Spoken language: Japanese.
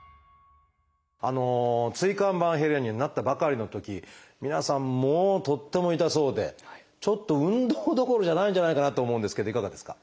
椎間板ヘルニアになったばかりのとき皆さんもうとっても痛そうでちょっと運動どころじゃないんじゃないかなと思うんですけどいかがですか？